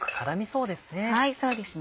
そうですね。